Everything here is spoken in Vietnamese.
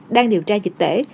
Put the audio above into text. đang điều tra dịch tễ